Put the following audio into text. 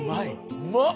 うまっ！